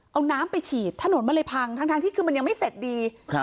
เอาน้ำไปฉีดถนนมันเลยพังทั้งที่คือมันยังไม่เสร็จดีครับ